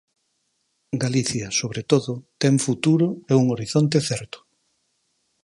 Galicia, sobre todo, ten futuro e un horizonte certo.